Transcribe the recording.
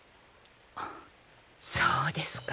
あっそうですか。